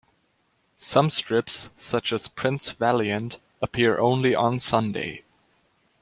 Some strips, such as "Prince Valiant" appear only on Sunday.